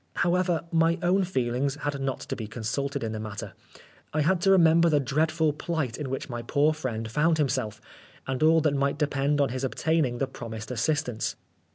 However, my own feelings had not to be consulted in the matter. I had to remember the dreadful plight in which my poor friend found himself, and all that might depend on his obtaining the promised assistance.